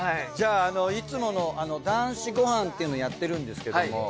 じゃあいつもの『男子ごはん』っていうのをやってるんですけど。